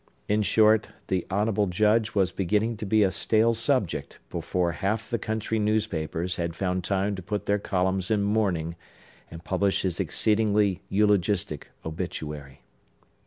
In short, the honorable Judge was beginning to be a stale subject before half the country newspapers had found time to put their columns in mourning, and publish his exceedingly eulogistic obituary.